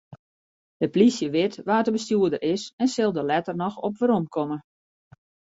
De polysje wit wa't de bestjoerder is en sil dêr letter noch op weromkomme.